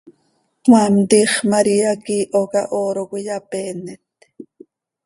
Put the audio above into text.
Cmaam, tiix María quih iiho cah hooro cöiyapeenet.